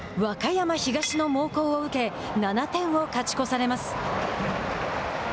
和歌山東の猛攻を受け７点を勝ち越されます。